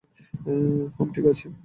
হুম ঠিক আছে।